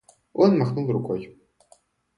Он махнул рукой.